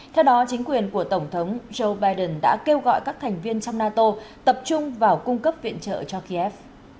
theo đó chính quyền của tổng thống joe biden đã kêu gọi các thành viên trong nato tập trung vào cung cấp viện trợ cho kiev